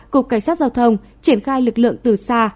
cục cảnh sát giao thông triển khai lực lượng từ xa